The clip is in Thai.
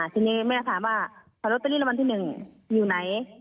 ทีนี้แม่ถามว่าหวัยลอตเตอรี่ละวันที่หนึ่งอยู่ไหน